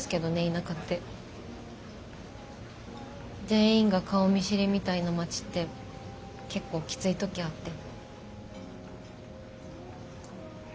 全員が顔見知りみたいな町って結構きつい時あって。